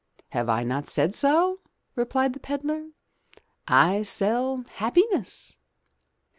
"Have I not said so?*' replied the pedlar. "I sell happiness."